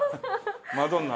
マドンナ。